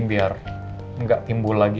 biar gak timbul lagi